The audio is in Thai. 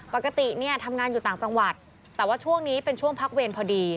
ปกติเนี่ยทำงานอยู่ต่างจังหวัดแต่ว่าช่วงนี้เป็นช่วงพักเวรพอดี